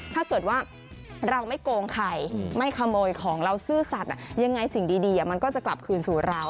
ถ้าเกิดว่าเราไม่โกงใครไม่ขโมยของเราซื่อสัตว์ยังไงสิ่งดีมันก็จะกลับคืนสู่เรา